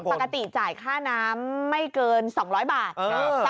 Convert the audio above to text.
จ่ายค่าน้ำไม่เกิน๒๐๐บาท